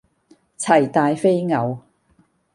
齊大非偶